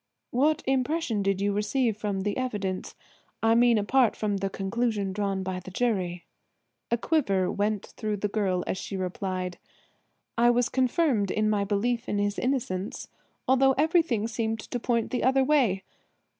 "What impression did you receive from the evidence–I mean apart from the conclusions drawn by the jury?" A quiver went through the girl as she replied: "I was confirmed in my belief in his innocence, although everything seemed to point the other way.